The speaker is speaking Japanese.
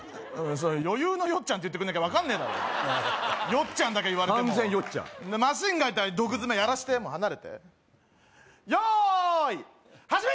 「余裕のよっちゃん」って言ってくんなきゃ分かんねえだろ「よっちゃん」だけ言われても完全よっちゃんマシンガン対毒爪やらして離れて用意始め！